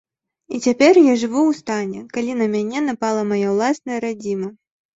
І цяпер я жыву ў стане, калі на мяне напала мая ўласная радзіма.